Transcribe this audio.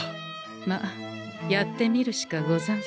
まあやってみるしかござんせん。